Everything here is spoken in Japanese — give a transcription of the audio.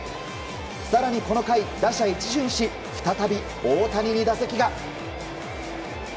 更にこの回、打者一巡し再び大谷に打席が。